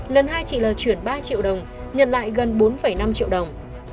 lần hai chị l chuyển ba triệu đồng nhận lại gần bốn năm triệu đồng